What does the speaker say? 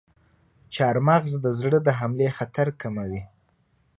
چارمغز د زړه د حملې خطر کموي.